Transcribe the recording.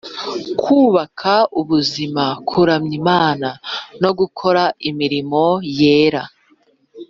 kubaka ubuzima, kuramya Imana, no gukora imirimo yera.